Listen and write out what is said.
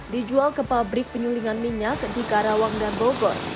dijual ke pabrik penyulingan minyak di karawang dan bogor